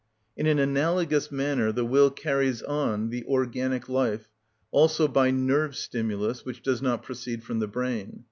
In an analogous manner the will carries on the organic life, also by nerve stimulus, which does not proceed from the brain.